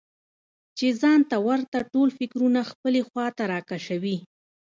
چې ځان ته ورته ټول فکرونه خپلې خواته راکشوي.